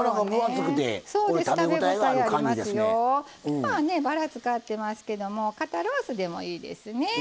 今はねバラ使ってますけども肩ロースでもいいですね。